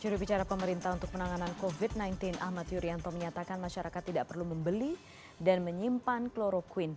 jurubicara pemerintah untuk penanganan covid sembilan belas ahmad yuryanto menyatakan masyarakat tidak perlu membeli dan menyimpan kloroquine